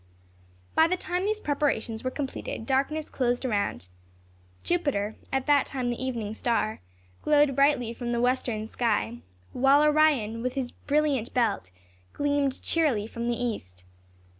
By the time these preparations were completed darkness closed around. Jupiter, at that time the evening star, glowed brightly from the western sky, while Orion, with his brilliant belt, gleamed cheerily from the east.